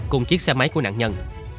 cùng chiếc xe máy của nạn nhân